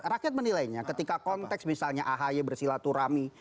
rakyat menilainya ketika konteks misalnya ahy bersilaturahmi